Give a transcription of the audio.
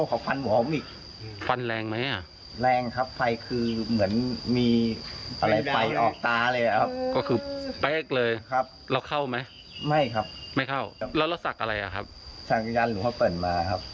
โอ้โหเดี๋ยวพ่อเปิ่ลมาครับ